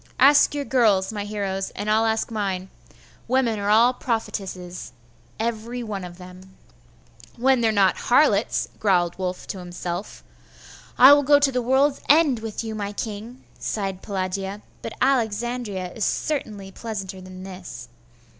Ask your girls, my heroes, and I'll ask mine. Women are all prophetesses, every one of them.' 'When they are not harlots,' growled Wulf to himself. 'I will go to the world's end with you, my king!' sighed Pelagia; 'but Alexandria is certainly pleasanter than this.